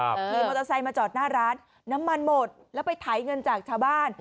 ขี่มอเตอร์ไซค์มาจอดหน้าร้านน้ำมันหมดแล้วไปไถเงินจากชาวบ้าน